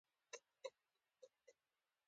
ایا زه باید کاپوچینو وڅښم؟